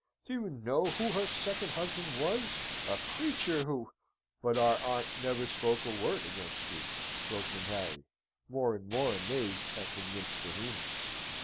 Do you know who her second husband was? A creature who..." "But our aunt never spoke a word against you," broke in Harry, more and more amazed at the nymph's vehemence.